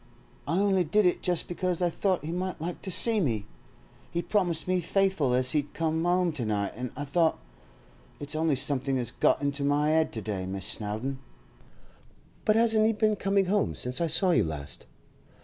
'I only did it just because I thought he might like to see me. He promised me faithful as he'd come 'ome to night, and I thought—it's only somethink as got into my 'ed to day, Miss Snowdon.' 'But hasn't he been coming home since I saw you last?